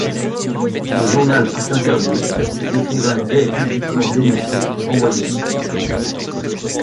Le journal ' fut interdit, ses écrivains gays publiquement dénoncés et renvoyés.